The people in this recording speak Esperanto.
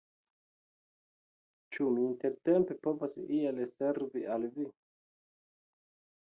Ĉu mi intertempe povas iel servi al vi?